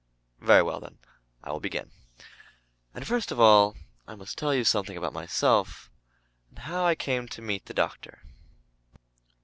Very well then, I will begin. And first of all I must tell you something about myself and how I came to meet the Doctor.